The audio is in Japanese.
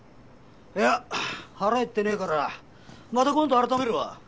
いや腹減ってねぇからまた今度改めるわ。